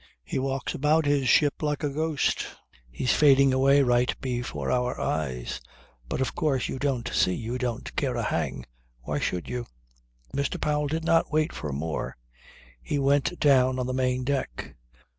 He walks about his ship like a ghost. He's fading away right before our eyes. But of course you don't see. You don't care a hang. Why should you?" Mr. Powell did not wait for more. He went down on the main deck.